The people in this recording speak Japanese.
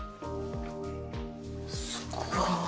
すごいな。